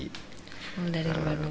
full dari luar negeri